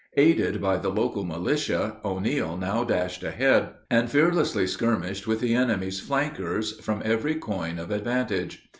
Aided by the local militia, O'Neil now dashed ahead and fearlessly skirmished with the enemy's flankers from every coign of vantage.